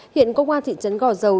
hiện công an thị trấn gò dầu